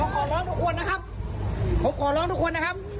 ขอบเรื่องนะครับผมผมไม่ได้ยุ่นผมขอร้องทุกคนและครับ